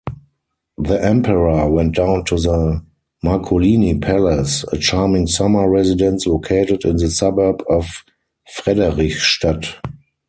The Emperor went down to the Marcolini Palace, a charming summer residence located in the suburb of Frederichstadt.